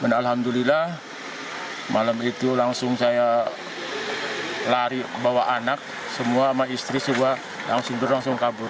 alhamdulillah malam itu langsung saya lari bawa anak semua sama istri semua langsung kabur